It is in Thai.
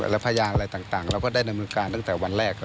และพยานอะไรต่างเราก็ได้ดำเนินการตั้งแต่วันแรก